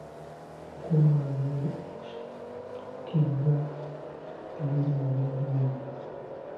Mukulu wange atikiddwa ddiguli mu by'enjigiriza .